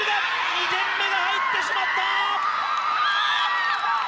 ２点目が入ってしまった。